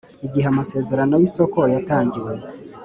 igihe amasezerano y isoko yatangiwe